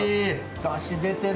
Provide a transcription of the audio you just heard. だし、出てる。